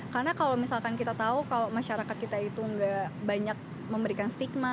karena kalau misalkan kita tahu kalau masyarakat kita itu gak banyak memberikan stigma